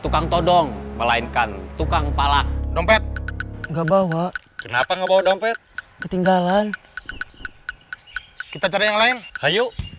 kepala dompet enggak bawa kenapa nggak bawa dompet ketinggalan kita cari yang lain hayuk